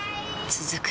続く